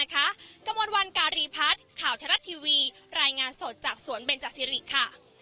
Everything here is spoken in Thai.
กระมวลวันการีพัฒน์ข่าวไทยรัฐทีวีรายงานสดจากสวนเบนจสิริค่ะ